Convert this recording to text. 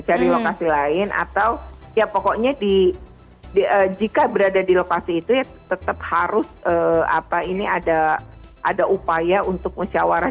cari lokasi lain atau ya pokoknya di jika berada di lokasi itu ya tetap harus apa ini ada ada upaya untuk musyawarah